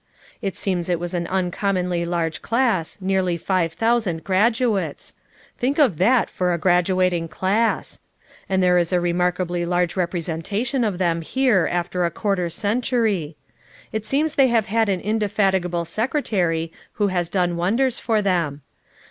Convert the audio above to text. It seems it was an uncommonly large class, nearly five thousand graduates; think of that for a graduating class! and there is a remarkably large representation of them here after a quar ter century. It seems they have had an inde fatigable secretary who has done wonders for them.